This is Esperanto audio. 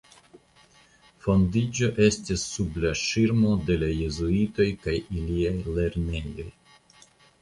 Fondiĝo estis sub la ŝirmo de la jezuitoj kaj iliaj lernejoj.